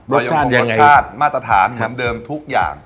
รสชาติมาตรฐานคำเดิมทุกอย่าง